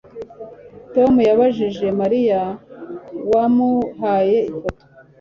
Tom yabajije Mariya wamuhaye ifoto